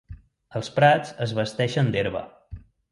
Els prats es vesteixen d'herba.